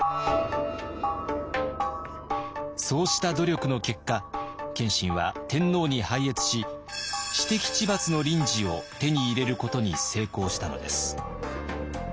そうした努力の結果謙信は天皇に拝謁し私敵知罰の綸旨を手に入れることに成功したのです。